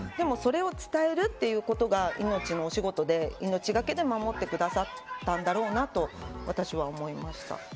でもそれを伝えるということが命のお仕事で命懸けで守ってくださったんだろうな